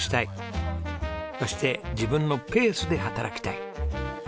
そして自分のペースで働きたい。